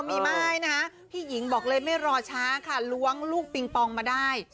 มีไม่นะพี่หญิงบอกเลยไม่รอช้าค่ะล้วงลูกปิงปองมาได้